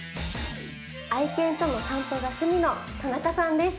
愛犬との散歩が趣味の田中さんです。